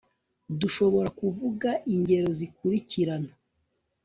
Dushobora kuvuga ingero zikurikirana